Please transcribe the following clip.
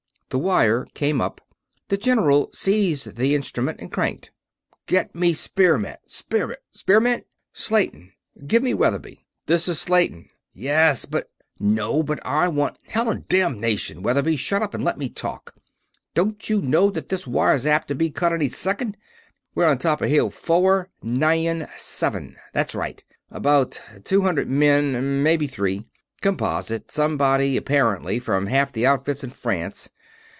The wire came up. The general seized the instrument and cranked. "Get me Spearmint ... Spearmint? Slayton give me Weatherby.... This is Slayton ... yes, but ... No, but I want ... Hellanddamnation, Weatherby, shut up and let me talk don't you know that this wire's apt to be cut any second? We're on top of Hill Fo wer, Ni yun, Sev en that's right about two hundred men; maybe three. Composite somebody, apparently, from half the outfits in France.